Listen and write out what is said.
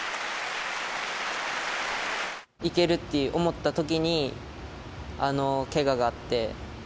いけるって思ったときに、あのけががあって。